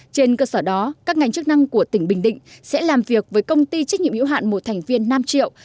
trên cơ sở đó các ngành chức năng của tỉnh bình định sẽ làm việc với công ty trách nhiệm hữu hạn một thành viên nam triệu